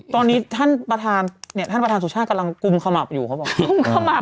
ตอนนี้ท่านประธานสุชาติกำลังกุมขมับอยู่เขาบอก